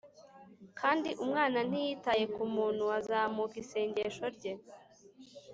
kandi umwana ntiyitaye kumuntu azamuka isengesho rye